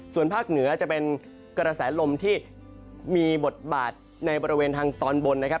ส่วนภาคเหนือจะเป็นกระแสลมที่มีบทบาทในบริเวณทางตอนบนนะครับ